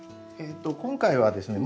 今回はですね